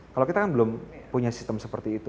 kalau kita kan belum punya sistem seperti itu